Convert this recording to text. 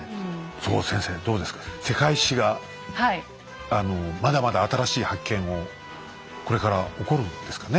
そこ先生どうですか世界史がまだまだ新しい発見をこれから起こるんですかね。